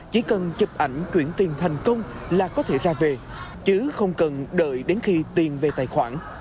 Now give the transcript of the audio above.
chỉ cần chụp ảnh chuyển tiền thành công là có thể ra về chứ không cần đợi đến khi tiền về tài khoản